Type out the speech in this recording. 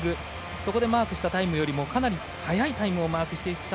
そこでマークしたタイムよりかなり速いタイムをマークしてきました。